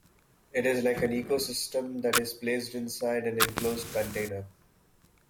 It is like an ecosystem that is placed inside an enclosed container.